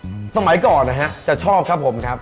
สมัยก่อนนะฮะจะชอบครับผมครับ